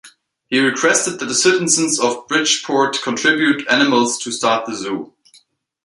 He requested that the citizens of Bridgeport contribute animals to start the zoo.